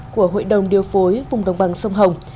của hội đồng điều phối vùng đồng bằng sông hồng